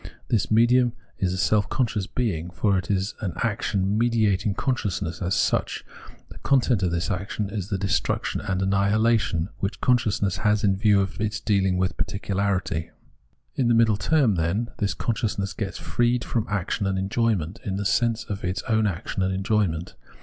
This medium is itself a conscious being, for it is an action mediating consciousness as such ; the con tent 01 this action is the destruction and annihilation, which consciousness has in view in deahng with its particularity. 216 Phenomenology of Mind In the middle term, then, this consciousness gets freed from action and enjoyment, in the sense of its own action and enjoyment.